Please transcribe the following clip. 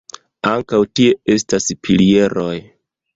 Ankaŭ tie estas pilieroj.